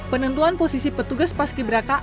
penentuan posisi petugas pas kiberaka